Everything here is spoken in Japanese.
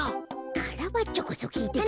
カラバッチョこそきいてきてよ。